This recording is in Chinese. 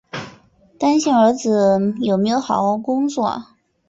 担心儿子有没有好好工作